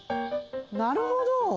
なるほど。